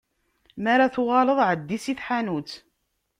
Mi ara tuɣaleḍ, εeddi si tḥanut.